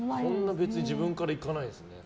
別に自分からいかないんですね